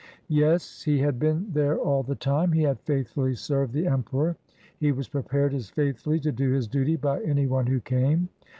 "Yes, he had been there all the time. He had faithfully served the Emperor. He was prepared as faithfully to do his duty by any one who came."